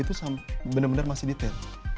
itu benar benar masih detail